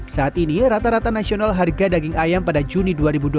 saat ini rata rata nasional harga daging ayam pada juni dua ribu dua puluh